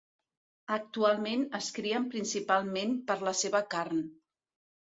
Actualment es crien principalment per la seva carn.